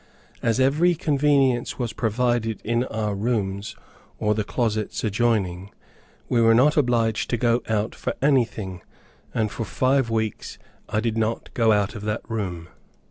As every convenience was provided in our rooms or the closets adjoining, we were not obliged to go out for anything, and for five weeks I did not go out of that room.